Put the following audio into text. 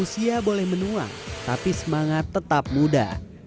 usia boleh menuang tapi semangat tetap muda